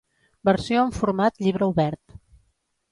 Versió en format "llibre obert"